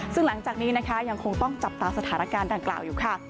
ซึ่งหลังจากนี้นะคะยังคงต้องจับตาสถานการณ์ดังกล่าวอยู่ค่ะ